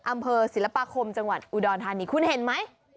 อำเภอศิลปาคมจังหวัดอุดรธานีคุณเห็นไหม